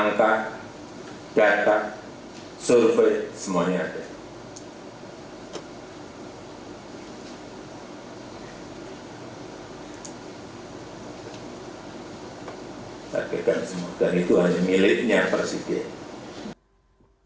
dan itu hanya miliknya presiden